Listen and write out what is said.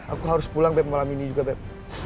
aku harus pulang malam ini juga beb